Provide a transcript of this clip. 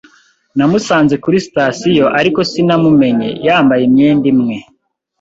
Namusanze kuri sitasiyo, ariko sinamumenye yambaye imyenda imwe